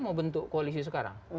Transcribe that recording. mau bentuk koalisi sekarang